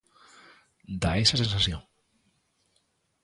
Dá esa sensación.